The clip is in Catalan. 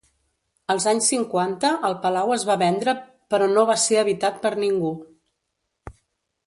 Als anys cinquanta el palau es va vendre però no va ser habitat per ningú.